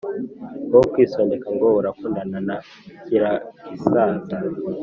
yokwisondeka ngo urakundana na kiragisaza